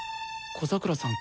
小桜さん